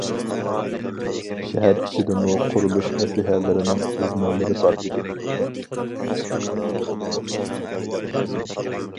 شەھەر ئىچىدىمۇ قۇرۇلۇش ئەسلىھەلىرىنىڭ ئىزنالىرى بار ئىدى.